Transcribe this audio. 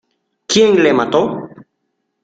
¿ quién le mató?